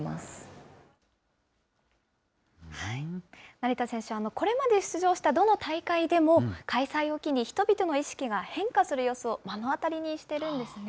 成田選手、これまで出場したどの大会でも、開催を機に、人々の意識が変化する様子を目の当たりにしてるんですね。